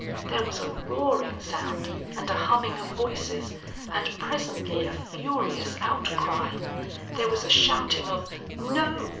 There was a roaring sound, and a humming of voices, and presently a furious outcry. There was a shouting of "No!